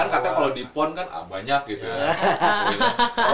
kan kalau di pond kan banyak gitu